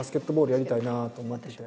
やりたいなと思ってて。